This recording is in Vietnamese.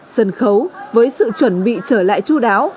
sân khấu với sự chuẩn bị trở lại chú đáo